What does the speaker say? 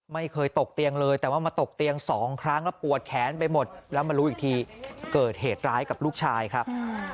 ไม่เคยตกเตียงเลยแต่ว่ามาตกเตียงสองครั้งแล้วปวดแขนไปหมดแล้วมารู้อีกทีเกิดเหตุร้ายกับลูกชายครับ